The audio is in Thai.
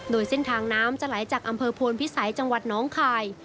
โดยเส้นทางน้ำจะไหลจากอำเภอโพนพิสัยจังหวัดน้องคาย